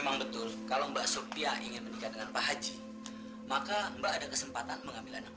memang betul kalau mbak surya ingin menikah dengan pak haji maka mbak ada kesempatan mengambil anak